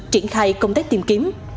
triển khai công tác tìm kiếm